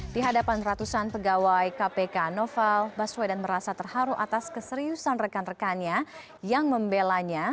di hadapan ratusan pegawai kpk novel baswedan merasa terharu atas keseriusan rekan rekannya yang membelanya